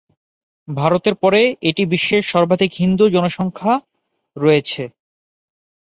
ভারতের পরে এটি বিশ্বের সর্বাধিক হিন্দু জনসংখ্যা রয়েছে।